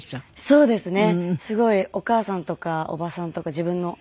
そうですね。